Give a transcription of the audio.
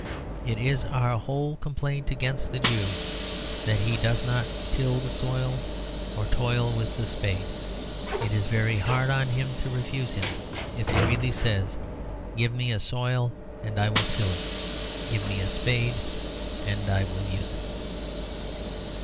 It is our whole complaint against the Jew that he does not till the soil or toil with the spade; it is very hard on him to refuse him if he really says, "Give me a soil and I will till it; give me a spade and I will use it."